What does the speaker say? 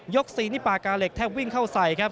๔นี่ปากกาเหล็กแทบวิ่งเข้าใส่ครับ